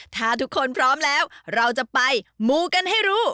ถ้าทุกคนพร้อมแล้วเราจะไปมูกันให้รู้